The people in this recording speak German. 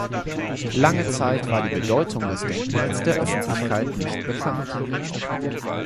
Lange Zeit war die Bedeutung des Denkmals der Öffentlichkeit nicht bekannt.